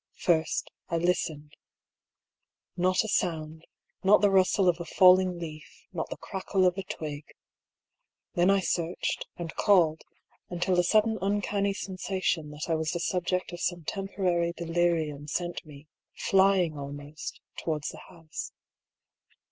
First, I listened. Not a sound ; not the rustle of a falling leaf, not the crackle of a twig. Then I searched, and called ; until a sudden uncanny sensation that I was the subject of some temporary delirium sent me, flying almost, to wards the house.